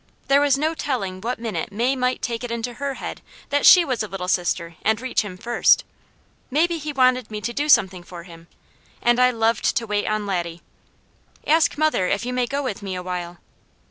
There was no telling what minute May might take it into her head that she was a little sister and reach him first. Maybe he wanted me to do something for him, and I loved to wait on Laddie. "Ask mother if you may go with me a while."